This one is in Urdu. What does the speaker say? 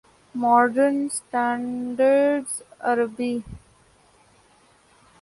modern standard Arabi